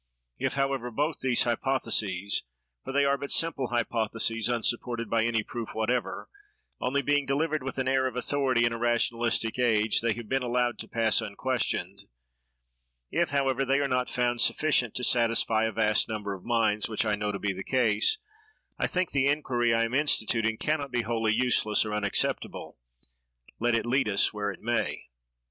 If, however, both these hypotheses—for they are but simple hypotheses, unsupported by any proof whatever, only, being delivered with an air of authority in a rationalistic age, they have been allowed to pass unquestioned—if, however, they are not found sufficient to satisfy a vast number of minds, which I know to be the case, I think the inquiry I am instituting can not be wholly useless or unacceptable, let it lead us where it may.